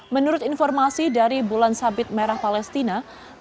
menurut informasi dari bulan sabit merah palestina